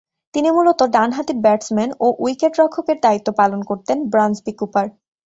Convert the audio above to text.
তিনি মূলতঃ ডানহাতি ব্যাটসম্যান ও উইকেট-রক্ষকের দায়িত্ব পালন করতেন ব্রান্সবি কুপার।